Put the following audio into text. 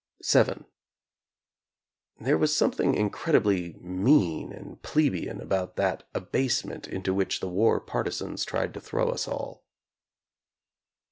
VII There was something incredibly mean and ple beian about that abasement into which the war partisans tried to throw us all.